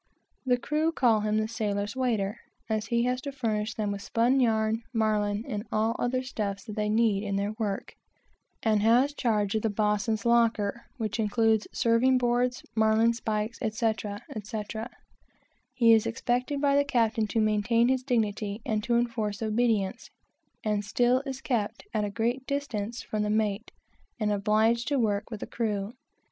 The crew call him the "sailor's waiter," as he has to furnish them with spun yarn, marline, and all other stuffs that they need in their work, and has charge of the boatswain's locker, which includes serving boards, marline spikes, etc. He is expected by the captain to maintain his dignity and to enforce obedience, and still is kept at a great distance from the mate, and obliged to work with the crew.